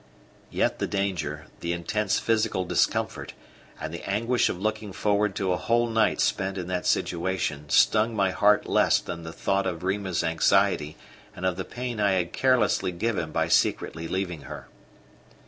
Yet the danger, the intense physical discomfort, and the anguish of looking forward to a whole night spent in that situation stung my heart less than the thought of Rima's anxiety and of the pain I had carelessly given by secretly leaving her.